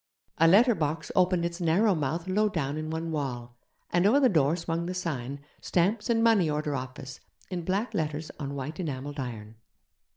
A letter box opened its narrow mouth low down in one wall, and over the door swung the sign, 'Stamps and money order office', in black letters on white enamelled iron.